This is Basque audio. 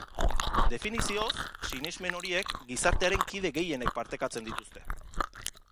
Definizioz, sinesmen horiek gizartearen kide gehienek partekatzen dituzte.